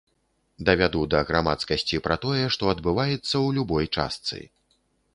Давяду да грамадскасці пра тое, што адбываецца ў любой частцы.